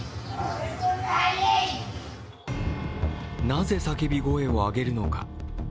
なぜ、叫び声を上げるのか。